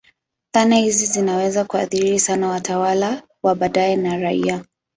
Dhana hizi zinaweza kuathiri sana watawala wa baadaye na raia.